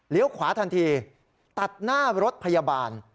เลี้ยวขวาทันทีตัดหน้ารถพยาบาล